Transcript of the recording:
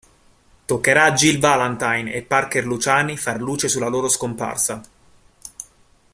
Toccherà a Jill Valentine e Parker Luciani far luce sulla loro scomparsa.